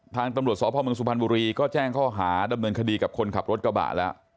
ทางตำรวจสพมสุพรรณบุรีก็แจ้งข้อหาดำเนินคดีกับคนขับรถกระบะแล้ว